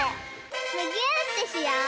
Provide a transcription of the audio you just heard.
むぎゅーってしよう！